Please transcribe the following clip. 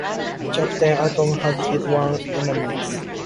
Captain Atom has his own enemies.